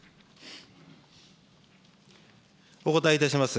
お答えいたします。